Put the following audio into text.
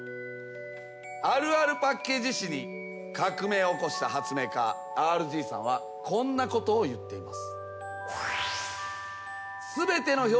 あるあるパッケージ史に革命を起こした発明家ＲＧさんはこんなことを言っています。